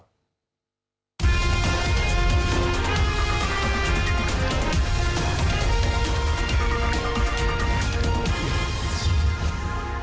สวัสดีครับ